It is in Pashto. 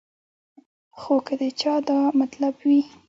خو کۀ د چا دا مطلب وي